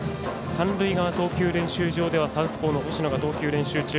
三塁側、投球練習場ではサウスポーの星野が投球練習中。